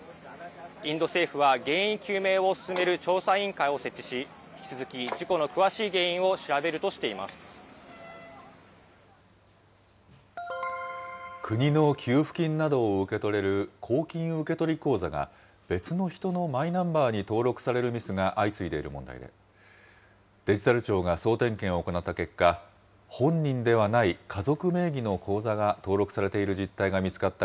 インド政府は、原因究明を進める調査委員会を設置し、引き続き事故の詳しい原因を調べるとしてい国の給付金などを受け取れる公金受取口座が、別の人のマイナンバーに登録されるミスが相次いでいる問題で、デジタル庁が総点検を行った結果、本人ではない家族名義の口座が登録されている実態が見つかった